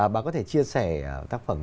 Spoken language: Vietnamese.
bà có thể chia sẻ tác phẩm